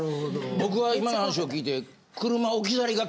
僕は今の話を聞いて。